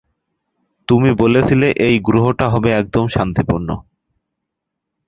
তুমি বলেছিলে এই গ্রহটা হবে একদম শান্তিপূর্ণ।